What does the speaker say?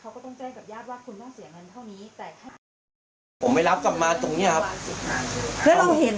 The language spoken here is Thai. โอเคแหละเขาก็ต้องแจ้งกับญาติว่าคุณต้องเสียงกันเท่านี้แต่